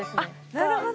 なるほど。